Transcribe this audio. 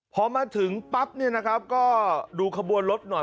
พอมาถึงปั๊บเนี่ยนะครับก็ดูขบวนรถหน่อย